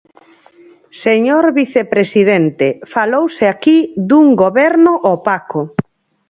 Señor vicepresidente, falouse aquí dun goberno opaco.